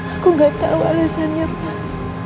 aku gak tau alasannya pak